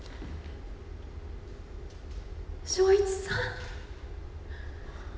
正一さん。